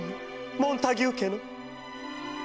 モンタギュー家の」。